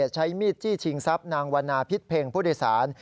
ใช้มีดจี้ชิงทรัพย์นางวันนาพิธเพงพุทธศาล